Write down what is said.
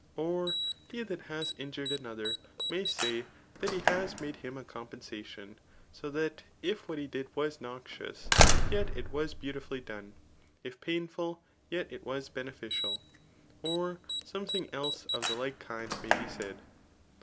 Or he that has injured another, may say that he has made him a compensation ; so that if what h^ did was noxious, yet it was beautifully done ; if pain fuU yet it was beneficial ; or something else of the like kind may be said.